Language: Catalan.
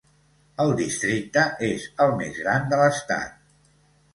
El districte és el més gran de l'estat.